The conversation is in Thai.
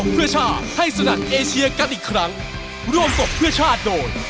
โปรดติดตามตอนต่อไป